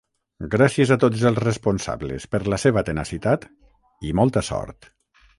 Gràcies a tots els responsables per la seva tenacitat i molta sort.